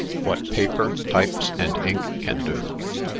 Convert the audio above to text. WHAT PAPER, TYPES, AND INK CAN DO.